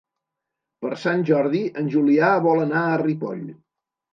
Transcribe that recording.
Per Sant Jordi en Julià vol anar a Ripoll.